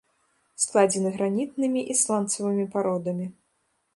Складзены гранітнымі і сланцавымі пародамі.